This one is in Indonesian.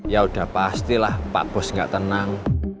yaudah pastilah pak bos gak tenang